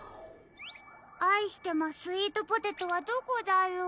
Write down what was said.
「あいしてまスイートポテト」はどこだろう？